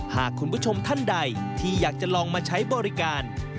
หากคุณผู้ชมท่านใดที่อยากจะลองมาใช้บริการ